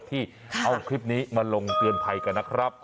ที่เอาคลิปนี้มาลงเตือนภัยกันนะครับ